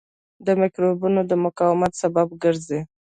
د مکروبونو د مقاومت سبب ګرځي.